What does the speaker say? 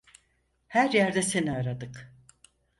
Her yerde seni aradık.